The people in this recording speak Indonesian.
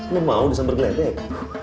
lu mau disambar geledek